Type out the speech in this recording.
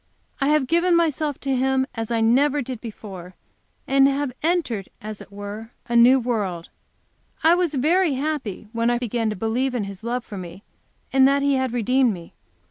I have given myself to Him as I never did before, and have entered, as it were, a new world. I was very happy when I began to believe in His love for me, and that He had redeemed me.